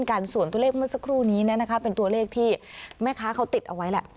นักศูนย์ส่วนตัวเลขเมื่อสักครู่นี้นะคะเป็นตัวเลขที่แม่ค้าเขาติดอไว้